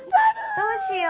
どうしよう。